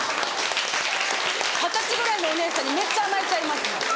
二十歳ぐらいのお姉さんにめっちゃ甘えちゃいます。